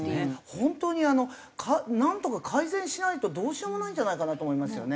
本当になんとか改善しないとどうしようもないんじゃないかなと思いますよね。